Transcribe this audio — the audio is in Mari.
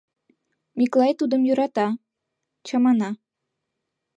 Миклай тудым йӧрата, чамана.